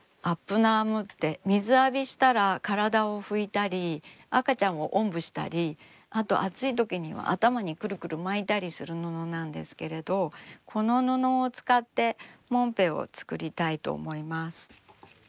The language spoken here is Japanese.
ナームって水浴びしたら体を拭いたり赤ちゃんをおんぶしたりあと暑いときには頭にくるくる巻いたりする布なんですけれどこの布を使ってもんぺを作りたいと思います。